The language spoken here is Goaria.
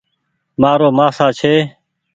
مآرو مآسآ ڇي ۔